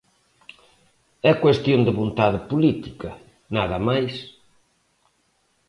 "É cuestión de vontade política, nada máis".